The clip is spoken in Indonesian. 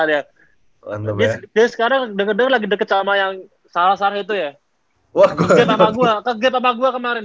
deh sekarang denger lagi deket sama yang salah salah itu ya wah gue sama gua kemarin